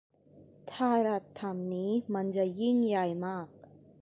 ถ้ารัฐทำนี่มันจะยิ่งใหญ่มาก